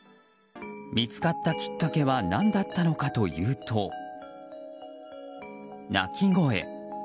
見つかったきっかけは何だったのかというと泣き声。